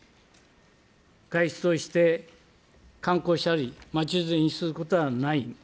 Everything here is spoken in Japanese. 外出をして観光したり、することがない。